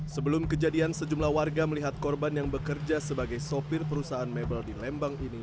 sebelum kejadian sejumlah warga melihat korban yang bekerja sebagai sopir perusahaan mebel di lembang ini